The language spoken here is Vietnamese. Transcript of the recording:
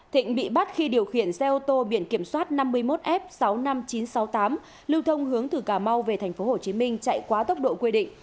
thịnh bị bắt khi điều khiển xe ô tô biển kiểm soát năm mươi một f sáu mươi năm nghìn chín trăm sáu mươi tám lưu thông hướng từ cà mau về tp hcm chạy quá tốc độ quy định